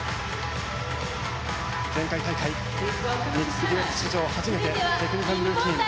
前回大会ミックスデュエット史上初めてテクニカルルーティン